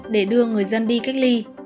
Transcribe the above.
để đưa người dân đi cách ly